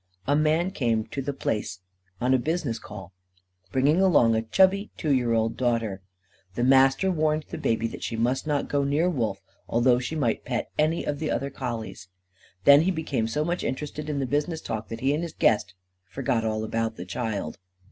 A man came to The Place on a business call, bringing along a chubby two year old daughter. The Master warned the baby that she must not go near Wolf, although she might pet any of the other collies. Then he became so much interested in the business talk that he and his guest forgot all about the child.